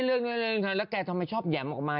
แล้วแกทำไมชอบแหย่มออกมา